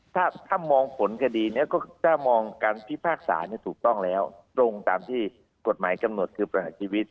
ถ้างั้นถ้ามองผลคดีมองการพิพากษาถูกต้องแล้วตรงเกาะที่กฎหมายกำหนดคือประหารชีวิต